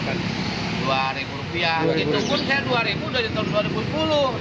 itu pun saya dua ribu dari tahun dua ribu sepuluh